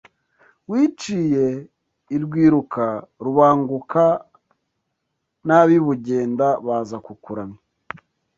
Wiciye i Rwiruka, Rubanguka n'ab'i Bugenda baza kukuramya